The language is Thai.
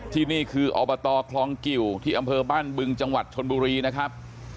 ที่นี่คืออบตคลองกิวที่อำเภอบ้านบึงจังหวัดชนบุรีนะครับ